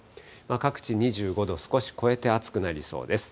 各地２５度を少し超えて暑くなりそうです。